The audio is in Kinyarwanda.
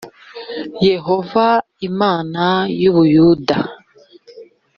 yehova imana y u buyuda